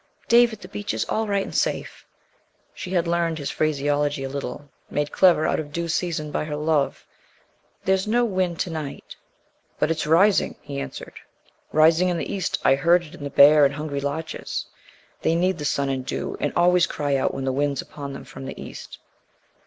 "David, the beech is all right and safe." She had learned his phraseology a little, made clever out of due season by her love. "There's no wind to night." "But it's rising," he answered, "rising in the east. I heard it in the bare and hungry larches. They need the sun and dew, and always cry out when the wind's upon them from the east."